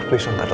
putri aku nolak